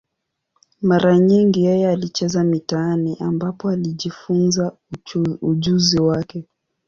Mara nyingi yeye alicheza mitaani, ambapo alijifunza ujuzi wake.